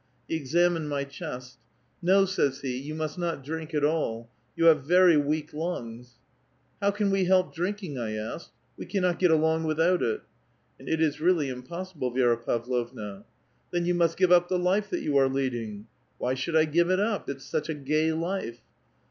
'^ He examined my chest. ' No,' says he, 'you must not <lrink at all ; you have very weak lungs.' ' How can we help drinking?* I asked. ' We cannot get along without it.' And it is really impossible, Vi^ra Pavlovna. ' Then you must give up the life tiiat 3'ou are leading.' ' Why should I give it up ? It's such a gay life.'